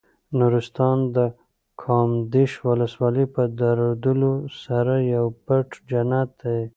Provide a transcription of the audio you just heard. نورستان د کامدېش ولسوالۍ په درلودلو سره یو پټ جنت دی.